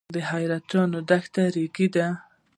د حیرتان دښتې ریګي دي